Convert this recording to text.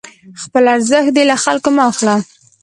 خپل ارزښت دې له خلکو مه اخله،